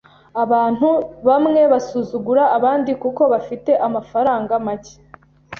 Abantu bamwe basuzugura abandi kuko bafite amafaranga make.